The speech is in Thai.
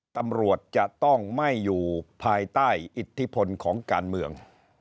ตำรวจจะต้องไม่อยู่ภายใต้อิทธิพลของการเมือง